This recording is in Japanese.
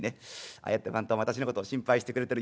ああやって番頭も私のことを心配してくれてる。